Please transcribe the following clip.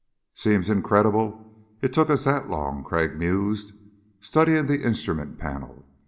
"Seems incredible it took us that long," Crag mused, studying the instrument panel.